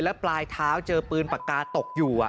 แล้วปลายเท้าเจอปืนปากกาตกอยู่